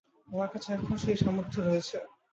আমার কাছে এখন সেই সামর্থ্য রয়েছে।